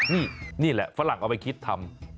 นี่นี่แหละฝรั่งเอาไปคิดทำ